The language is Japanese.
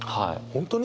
本当に？